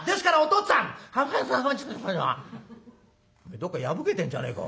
「どっか破けてんじゃねえかお前。